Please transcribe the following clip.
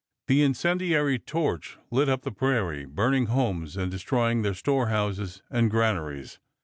The incendiary torch lit up the prairie, burning homes and destroying their storehouses and granaries.